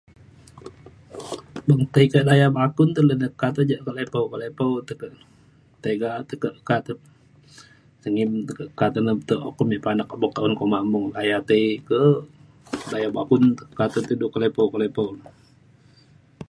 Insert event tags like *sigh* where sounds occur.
tei kedaya Bakun te le ne ta ja ke lepau lepau te pe tiga tekak ta pe *unintelligible* tekek okok ame panak buk ko mambung daya tei ke daya Bakun *unintelligible* ke lepau lepau na